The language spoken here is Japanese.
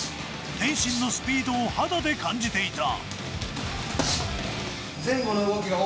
天心のスピードを肌で感じていた。